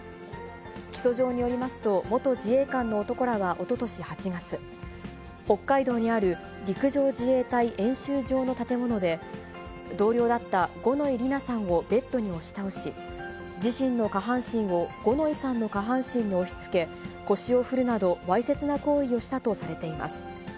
起訴状によりますと、元自衛官の男らはおととし８月、北海道にある陸上自衛隊演習場の建物で、同僚だった五ノ井里奈さんをベッドに押し倒し、自身の下半身を五ノ井さんの下半身に押しつけ、腰を振るなどわいせつな行為をしたとされています。